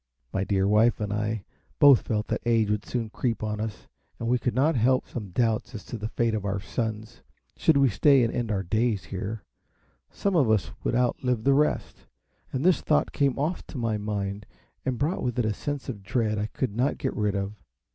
My dear wife and I both felt that age would soon creep on us, and we could not help some doubts as to the fate of our sons. Should we stay and end our days here, some one of us would out live the rest, and this thought came oft to my mind, and brought with it a sense of dread I could not get rid of.